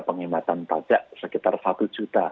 penghematan pajak sekitar satu juta